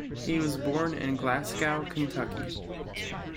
He was born in Glasgow, Kentucky.